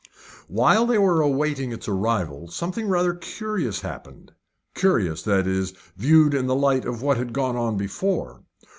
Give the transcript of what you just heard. While they were awaiting its arrival something rather curious happened curious, that is, viewed in the light of what had gone before.